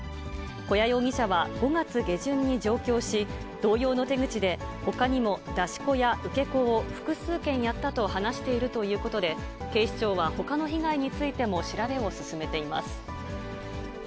古屋容疑者は５月下旬に上京し、同様の手口で、ほかにも出し子や受け子を複数件やったと話しているということで、警視庁はほかの被害についても調べを進めています。